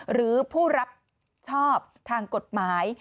หรือผู้รับชอบทางกฎหมาย